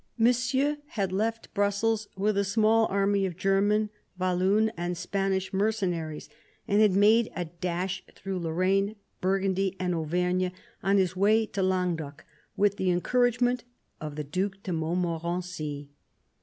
Monsieur had left Brussels with a small army of German, Walloon, and Spanish mercenaries, and had made a dash through Lorraine, Bur gundy, and Auvergne on his way to Languedoc, with the encouragement of the Due de Montmorency.